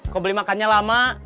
kok beli makannya lama